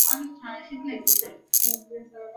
আমি ক্যাম্প প্রশিক্ষকের কাছে বিচার দিবো!